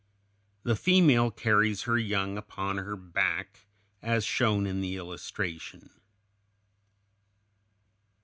The female carries her young upon her back, as shown in the illustration.